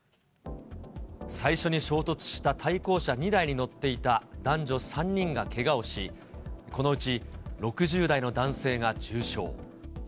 最初に衝突した対向車２台に乗っていた男女３人がけがをし、このうち６０代の男性が重傷。